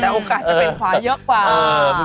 แต่โอกาสจะเป็นขวาเยอะกว่า